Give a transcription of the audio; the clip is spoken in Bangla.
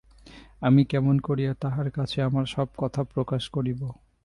আমি কেমন করিয়া তাঁর কাছে আমার সব কথা প্রকাশ করিব?